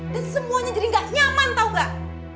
dan semuanya jadi gak nyaman tau gak